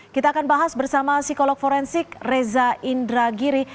kita akan bahas bersama psikolog forensik reza indragiri